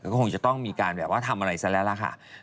ก็คงจะต้องมีการทำอะไรซะแล้วค่ะ